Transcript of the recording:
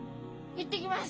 行ってきます！